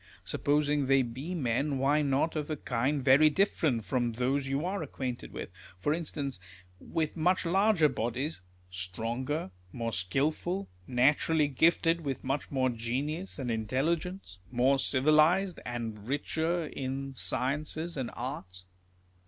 Supposing they be men, why not of a kind very different from those you are acquainted with ; for instance, with much larger bodies, stronger, more skilful, naturally gifted with, much more genius and intelligence, more civilised, and richer in sciences and arts